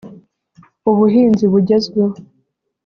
ubuhinzi bugezweho